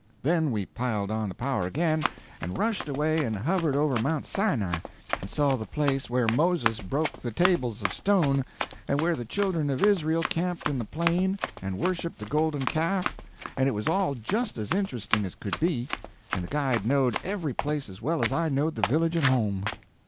Then we piled on the power again and rushed away and huvvered over Mount Sinai, and saw the place where Moses broke the tables of stone, and where the children of Israel camped in the plain and worshiped the golden calf, and it was all just as interesting as could be, and the guide knowed every place as well as I knowed the village at home.